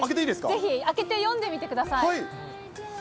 ぜひ開けて読んでみてください。